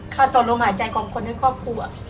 ต่อลมหายใจของคนในครอบครัว